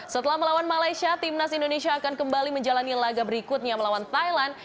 setelah melawan malaysia timnas indonesia akan kembali menjalani laga berikutnya melawan thailand